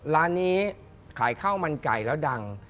ร้านนี้ขายข้าวมันไก่แล้วดัง